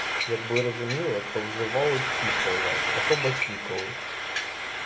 Якби розуміли, то вживали б ті слова, а то, бач, ніколи.